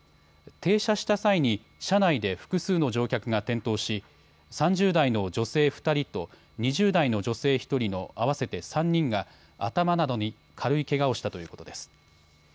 停車した際に車内で複数の乗客が転倒し３０代の女性２人と２０代の女性１人の合わせて３人が頭などに軽いけがをしたということです。